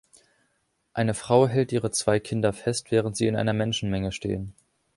eine Frau hält ihre zwei Kinder fest, während sie in einer Menschenmenge stehen.